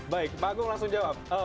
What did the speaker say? baik pak agung langsung jawab